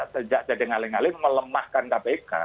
sejak jadi ngaling ngaling melemahkan kpk